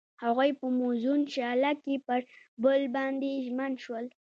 هغوی په موزون شعله کې پر بل باندې ژمن شول.